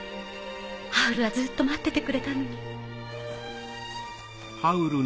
ハウルはずっと待っててくれたのに。